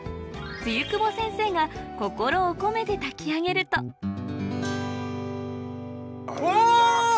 露久保先生が心を込めて炊き上げるとうわ！